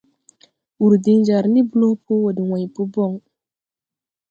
Wur din jar ni blo po wo de wãy po bon.